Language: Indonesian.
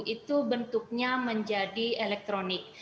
itu bentuknya menjadi elektronik